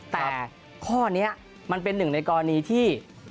แต่ข้อนี้มันเป็นหนึ่งในกรณีที่